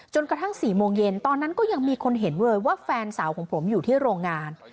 กระทั่ง๔โมงเย็นตอนนั้นก็ยังมีคนเห็นเลยว่าแฟนสาวของผมอยู่ที่โรงงาน